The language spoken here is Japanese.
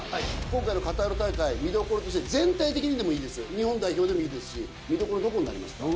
今回のカタール大会見どころとして全体的でも日本代表でもいいですし見どころどこになりますか？